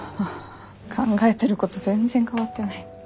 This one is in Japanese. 考えてること全然変わってない。